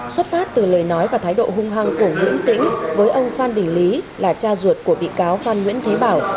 xuất phát từ lời nói và thái độ hung hăng của nguyễn tĩnh với ông phan đình lý là cha ruột của bị cáo phan nguyễn thế bảo